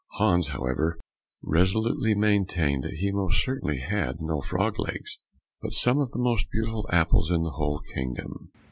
Hans, however, resolutely maintained that he most certainly had no frogs' legs, but some of the most beautiful apples in the whole kingdom.